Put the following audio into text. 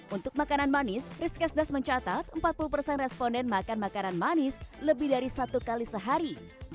untuk makanan manis rizkes das mencatat empat puluh responden makan makanan manis lebih dari satu kali sehari